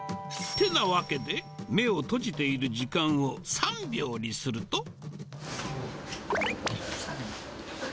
てなわけで、目を閉じている時間を、３秒にすると。